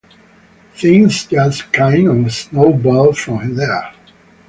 Things just kind of snowballed from there.